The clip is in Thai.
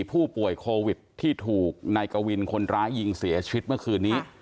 ผู้ป่วยโควิดที่ถูกนายกวินคนร้ายยิงเสียชีวิตเมื่อคืนนี้